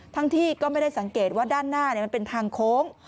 ที่ก็ไม่ได้สังเกตว่าด้านหน้ามันเป็นทางโค้ง